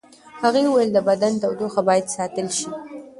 هغې وویل د بدن تودوخه باید ساتل شي.